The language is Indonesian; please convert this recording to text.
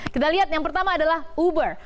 kita lihat yang pertama adalah uber